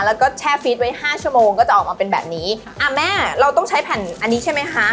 แล้วก็แช่ฟีดไว้ห้าชั่วโมงก็จะออกมาเป็นแบบนี้อ่าแม่เราต้องใช้แผ่นอันนี้ใช่ไหมคะ